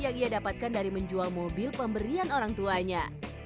yang ia dapatkan dari menjual mobil pemberian orang tuanya